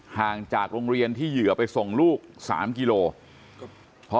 ห่างจากโรงเรียนที่เหยื่อไปส่งลูก๓กิโล